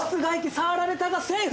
触られたがセーフ！